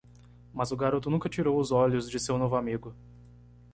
Mas o garoto nunca tirou os olhos de seu novo amigo.